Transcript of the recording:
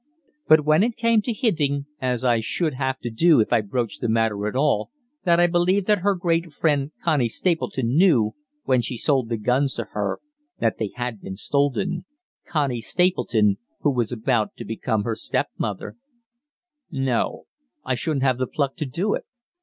But when it came to hinting as I should have to do if I broached the matter at all that I believed that her great friend Connie Stapleton knew, when she sold the guns to her, that they had been stolen Connie Stapleton, who was about to become her stepmother No, I shouldn't have the pluck to do it.